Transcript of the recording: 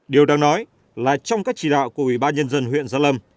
điều đang nói là trong các chỉ đạo của ubnd huyện gia lâm